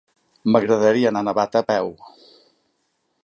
M'agradaria anar a Navata a peu.